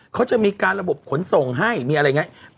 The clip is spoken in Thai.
เขาจะมีการระบบขนส่งให้มีอะไรอย่างนี้